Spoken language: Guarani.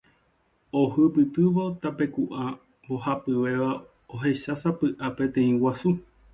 Ohupytývo tapeku'a mbohapyvéva ohechásapy'a peteĩ guasu.